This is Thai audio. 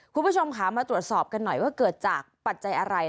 คุณผู้ชมค่ะมาตรวจสอบกันหน่อยว่าเกิดจากปัจจัยอะไร